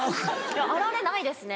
あられないですね。